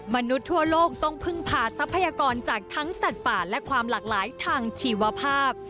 มนุษย์ทั่วโลกต้องพึ่งพาทรัพยากรจากทั้งสัตว์ป่าและความหลากหลายทางชีวภาพ